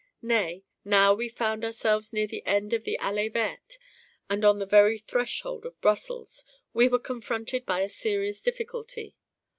Nay, now we found ourselves near the end of the Allée Verte, and on the very threshold of Brussels, we were confronted by a serious difficulty.